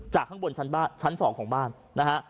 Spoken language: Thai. จากข้างบนชั้นสองของบ้านนะฮะ